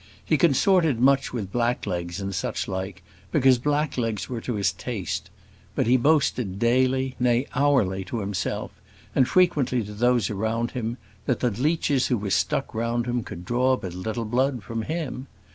He consorted much with blacklegs and such like, because blacklegs were to his taste. But he boasted daily, nay, hourly to himself, and frequently to those around him, that the leeches who were stuck round him could draw but little blood from him.